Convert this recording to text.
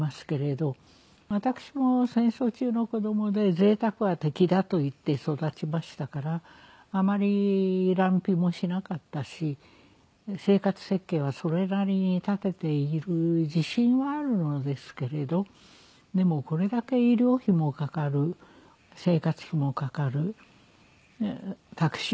私も戦争中の子どもで「ぜいたくは敵だ」といって育ちましたからあまり乱費もしなかったし生活設計はそれなりに立てている自信はあるのですけれどでもこれだけ医療費もかかる生活費もかかるタクシー代もかかるという。